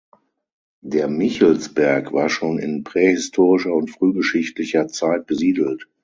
Der "Michelsberg" war schon in prähistorischer und frühgeschichtlicher Zeit besiedelt.